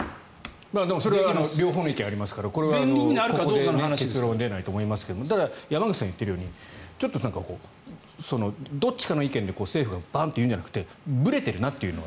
それは両方の意見がありますがここで結論は出ないと思いますがただ、山口さんが言っているようにちょっとどっちかの意見で政府がバンと言うんじゃなくてぶれているなというのが。